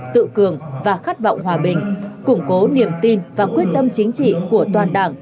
tự cường và khát vọng hòa bình củng cố niềm tin và quyết tâm chính trị của toàn đảng